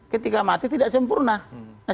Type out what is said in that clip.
ketika mati tidak sempurna